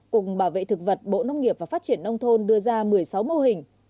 cục bảo vệ thực vật bộ nông nghiệp và phát triển nông thôn đưa ra một mươi sáu mô hình